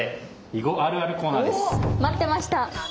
待ってました！